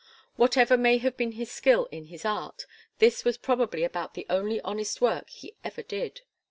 Whatever may have been his skill in his art this was probably about the only honest work he ever did.